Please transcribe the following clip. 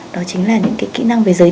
đó chính là những cái kỹ năng về giới